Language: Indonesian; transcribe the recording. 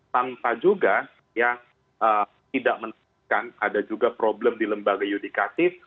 tanpa juga ya tidak menunjukkan ada juga problem di lembaga yudikatif